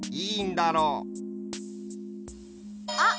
あっ！